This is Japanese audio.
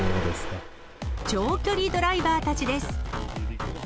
長距離ドライバーたちです。